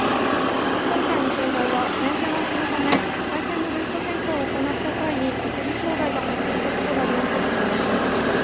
今回の障害はメンテナンスのため回線のルート変更を行った際に設備障害が発生したことが原因と説明しています。